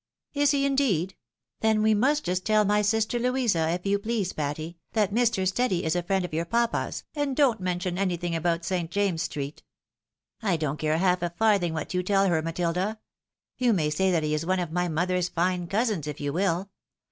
" Is he indeed? then we must just tell my sister Louisa, if you please Patty, that Mr. Steady is a friend of your papa's, and don't mention anything about St. James's street." " I don't care half a farthing what you tell her, Matilda. You may say that he is one of my mother's fine cousins, if you will.